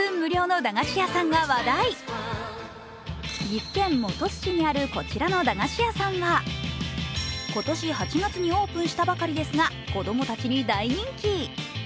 岐阜県本巣市にあるこちらの駄菓子屋さんは今年８月にオープンしたばかりですが、子供たちに大人気。